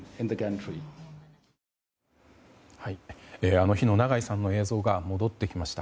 あの日の長井さんの映像が戻ってきました。